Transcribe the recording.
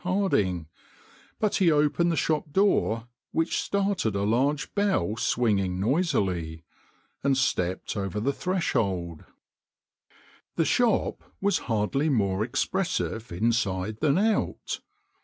Harding ; but he opened the shop door which started a large bell swinging noisily, and stepped over the thres hold. The shop was hardly more expressive inside than out.